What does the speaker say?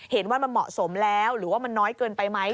เห็นว่ามันเหมาะสมแล้วหรือว่ามันน้อยเกินไปไหม